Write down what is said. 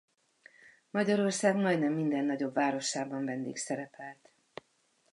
Magyarország majdnem minden nagyobb városában vendégszerepelt.